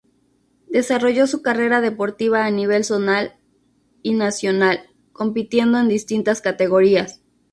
Desarrolló su carrera deportiva a nivel zonal y nacional, compitiendo en distintas categorías.